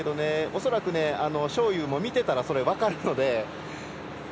恐らく、章勇も見てたら、それ分かるので。